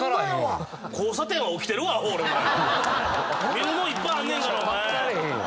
見るもんいっぱいあんねんからお前。